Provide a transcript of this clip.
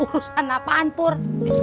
urusan apaan pur